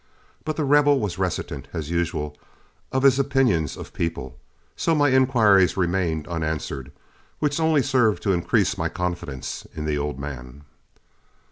But The Rebel was reticent, as usual, of his opinions of people, so my inquiries remained unanswered, which only served to increase my confidence in the old man.